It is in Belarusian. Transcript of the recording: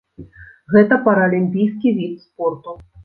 Гэта паралімпійскі від спорту.